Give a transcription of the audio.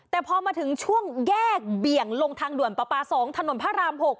แต่พอมาถึงช่วงแยกเบี่ยงลงทางด่วนปป๒ถนนพระราม๖